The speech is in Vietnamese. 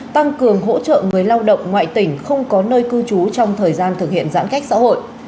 tăng cường hỗ trợ người lao động ngoại tỉnh không có nơi cư trú trong thời gian thực hiện giãn cách xã hội